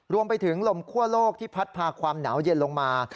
รวมไปถึงลมคั่วโลกที่พัดพาความหนาวเย็นลงมา